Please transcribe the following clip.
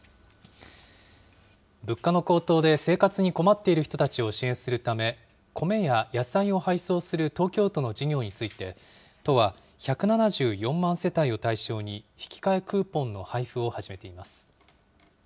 物価の高騰で生活に困っている人たちを支援するため、米や野菜を配送する東京都の事業について、都は、１７４万世帯を対象に、引き換えクーポンの配布を始めています。